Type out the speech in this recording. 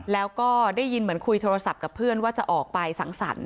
แล้วก็ได้ยินเหมือนคุยโทรศัพท์กับเพื่อนว่าจะออกไปสังสรรค